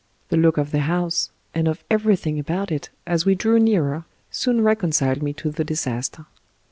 The look of the house, and of everything about it, as we drew nearer, soon recon ciled me to the disaster.